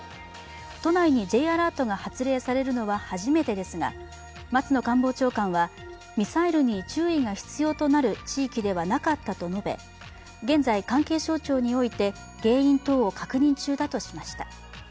都内にＪアラートが発令されるのは初めてですが松野官房長官はミサイルに注意が必要となる地域でなかったと述べ現在、関係省庁において原因等を確認中だとしました。